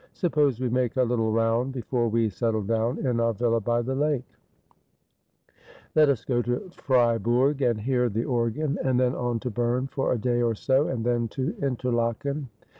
Suppose we make a little round before we settle down in our villa by the lake ? Let us go to Fribourg and hear the organ, and then on to Berne for a day or so, and then to Interlaken.